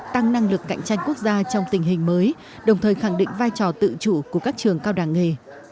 tăng năng lực cạnh tranh quốc gia trong tình hình mới đồng thời khẳng định vai trò tự chủ của các trường cao đẳng nghề